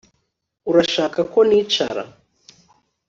Urashaka ko nicara